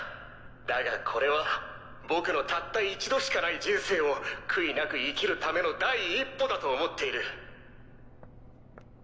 だがこれは僕のたった一度しかない人生を悔いなく生きるための第一歩だと思っている。